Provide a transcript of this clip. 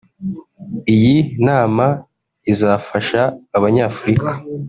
Iyi nama izafasha Abanyafurika